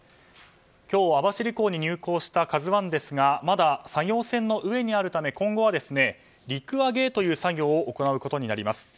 今日、網走港に入港した「ＫＡＺＵ１」ですがまだ作業船の上にあるため今後は陸揚げという作業を行うことになります。